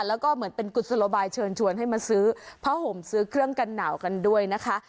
แล้วก็เหมือนเป็นกุศโลบายเชิญชวนให้มาซื้อผ้าห่มซื้อเครื่องกันหนาวกันด้วยนะคะ